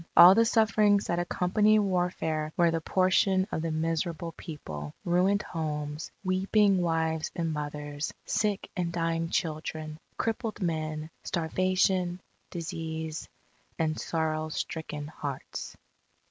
All the sufferings that accompany warfare were the portion of the miserable people, ruined homes, weeping wives and mothers, sick and dying children, crippled men, starvation, disease, and sorrow stricken hearts.